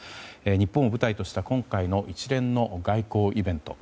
日本を舞台とした今回の一連の外交イベント。